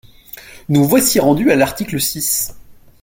Nous voici rendus à l’article six.